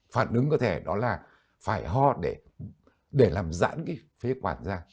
phản ứng có thể đó là phải ho để làm giãn cái phế quản ra